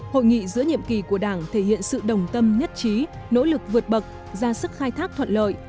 hội nghị giữa nhiệm kỳ của đảng thể hiện sự đồng tâm nhất trí nỗ lực vượt bậc ra sức khai thác thuận lợi